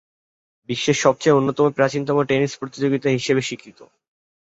বিশ্বের সবচেয়ে অন্যতম প্রাচীনতম টেনিস প্রতিযোগিতা হিসেবে স্বীকৃত।